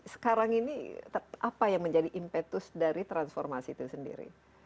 sekarang ini apa yang menjadi impetus dari transformasi itu sendiri